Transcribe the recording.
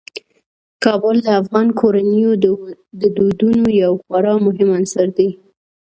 کابل د افغان کورنیو د دودونو یو خورا مهم عنصر دی.